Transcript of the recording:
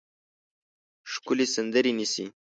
ښکلې سندرې نیسي